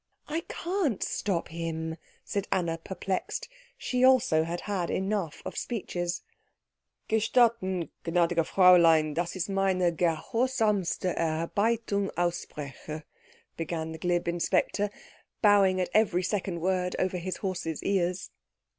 "I can't stop him," said Anna, perplexed. She also had had enough of speeches. "Gestatten gnädiges Fräulein dass ich meine gehorsamste Ehrerbietung ausspreche," began the glib inspector, bowing at every second word over his horse's ears.